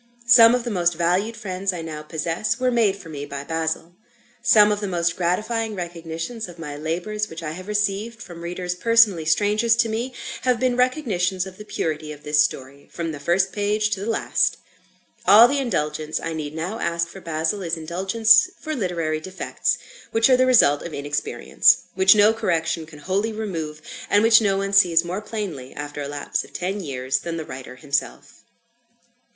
Some of the most valued friends I now possess, were made for me by "Basil." Some of the most gratifying recognitions of my labours which I have received, from readers personally strangers to me, have been recognitions of the purity of this story, from the first page to the last. All the indulgence I need now ask for "Basil," is indulgence for literary defects, which are the result of inexperience; which no correction can wholly remove; and which no one sees more plainly, after a lapse of ten years, than the writer himself.